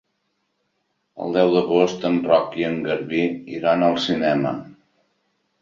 El deu d'agost en Roc i en Garbí iran al cinema.